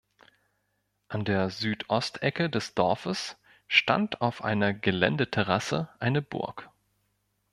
An der Südostecke des Dorfes stand auf einer Geländeterrasse eine Burg.